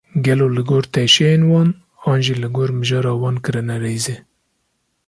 Gelo li gor teşeyên wan, an jî li gor mijara wan kirine rêzê?